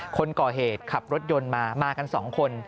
คนก่อเหตุขับรถยนต์มามากัน๒คน